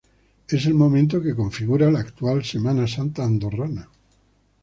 Es el momento que configura la actual Semana Santa Andorrana.